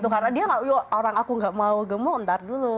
karena dia orang aku tidak mau gemuk nanti dulu